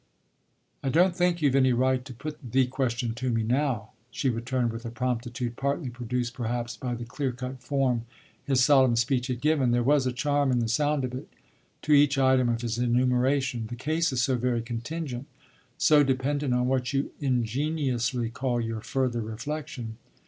"I don't think you've any right to put the question to me now," she returned with a promptitude partly produced perhaps by the clear cut form his solemn speech had given there was a charm in the sound of it to each item of his enumeration. "The case is so very contingent, so dependent on what you ingeniously call your further reflexion.